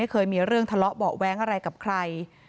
เคยมีเรื่องทะเลาะเบาะแว้งอะไรกับใคร